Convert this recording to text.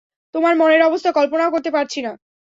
তোমার মনের অবস্থা কল্পনাও করতে পারছি না।